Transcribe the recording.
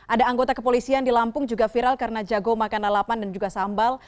ada anggota kepolisian di lampung juga viral karena jago makan lalapan dan juga sambal